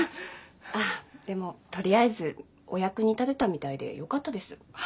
あっでも取りあえずお役に立てたみたいでよかったです。